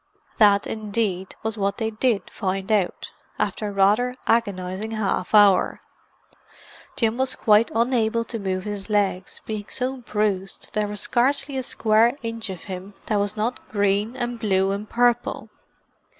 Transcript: That, indeed, was what they did find out, after a rather agonizing half hour. Jim was quite unable to move his legs, being so bruised that there was scarcely a square inch of him that was not green and blue and purple.